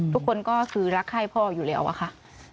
ทุกคนก็คือรักไข้พ่ออยู่แล้วอะค่ะ